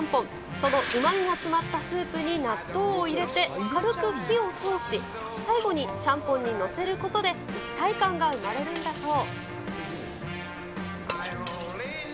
そのうまみが詰まったスープに納豆を入れて、軽く火を通し、最後にちゃんぽんに載せることで、一体感が生まれるんだそう。